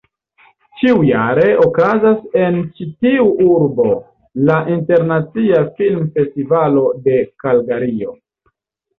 Ĉiujare okazas en ĉi tiu urbo la Internacia Film-Festivalo de Kalgario.